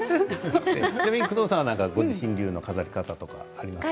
工藤さんは、ご自身流の飾り方はありますか？